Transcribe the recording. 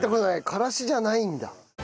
からしじゃないんだ。